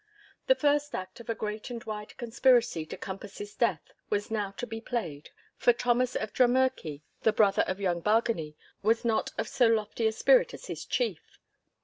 The first act of a great and wide conspiracy to compass his death was now to be played, for Thomas of Drummurchie, the brother of young Bargany, was not of so lofty a spirit as his chief.